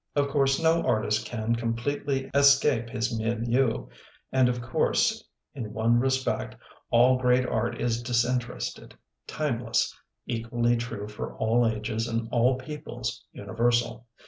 Of course no artist can completely escape his milieu, and of course in one re spect all great art is disinterested, timeless, equally true for all ages and all peoples, universal.